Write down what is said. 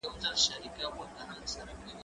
موبایل وکاروه